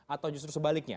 atau justru sebaliknya